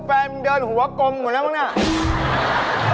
แฟนเดินหัวกลมหมดแล้วมั้งเนี่ย